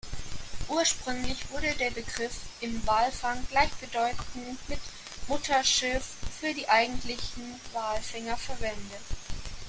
Ursprünglich wurde der Begriff im Walfang gleichbedeutend mit Mutterschiff für die eigentlichen Walfänger verwendet.